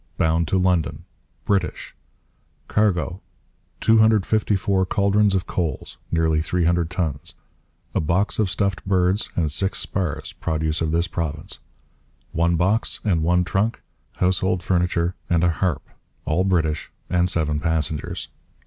Bound to London. British. Cargo: 254 chaldrons of coals [nearly 300 tons], a box of stuffed birds, and six spars, produce of this province. One box and one trunk, household furniture and a harp, all British, and seven passengers.'